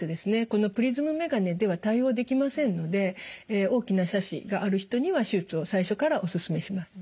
このプリズムメガネでは対応できませんので大きな斜視がある人には手術を最初からお勧めします。